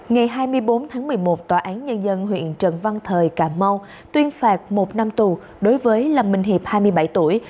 ngày hai mươi bốn tháng một mươi một tòa án nhân dân huyện trần văn thời cà mau tuyên phạt một năm tù đối với lâm minh hiệp hai mươi bảy tuổi